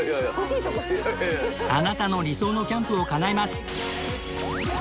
あなたの理想のキャンプをかなえます